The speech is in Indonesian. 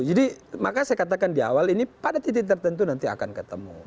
jadi makanya saya katakan di awal ini pada titik tertentu nanti akan ketemu